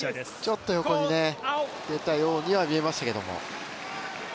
ちょっと横に出たようには見えましたけれども。